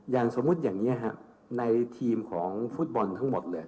อย่างสมมุติอย่างนี้ฮะในทีมของฟุตบอลทั้งหมดเนี่ย